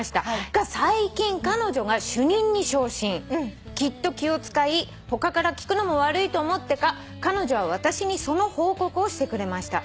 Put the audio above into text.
「が最近彼女が主任に昇進」「きっと気を使い他から聞くのも悪いと思ってか彼女は私にその報告をしてくれました」